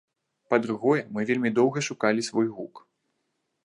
Па-другое, мы вельмі доўга шукалі свой гук.